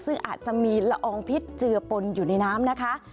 ซึ่งอาจจะมีละอองพิษเจือปนอยู่ในน้ำนะคะ